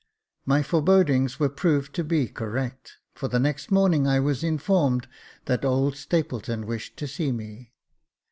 My forebodings were proved to be correct, for the next morning I was informed that old Stapleton wished to see me.